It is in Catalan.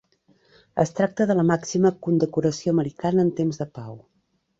Es tracta de la màxima condecoració americana en temps de pau.